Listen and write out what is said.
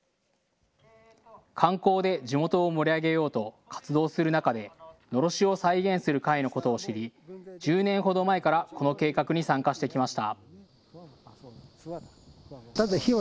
観光で地元を盛り上げようと活動する中でのろしを再現する会のことを知り１０年ほど前からこの計画に参加してきました。